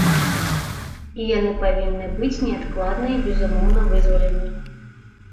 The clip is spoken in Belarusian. І яны павінны быць неадкладна і безумоўна вызвалены.